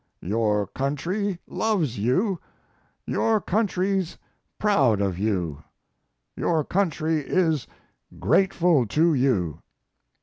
Your country loves you your country's proud of you your country is grateful to you.